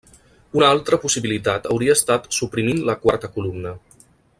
Una altra possibilitat hauria estat suprimint la quarta columna.